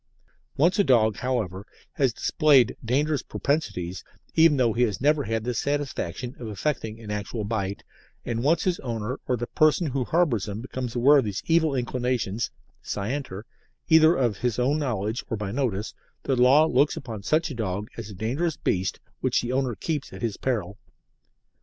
Once a dog, however, has displayed dangerous propensities, even though he has never had the satisfaction of effecting an actual bite, and once his owner or the person who harbours him becomes aware of these evil inclinations (scienter) either of his own knowledge or by notice, the Law looks upon such dog as a dangerous beast which the owner keeps at his peril.